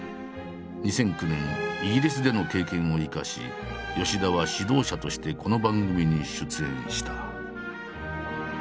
２００９年イギリスでの経験を生かし吉田は指導者としてこの番組に出演した。